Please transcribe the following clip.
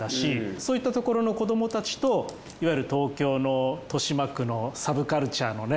そういったところの子どもたちといわゆる東京の豊島区のサブカルチャーのね